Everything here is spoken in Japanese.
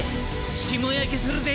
霜焼けするぜ。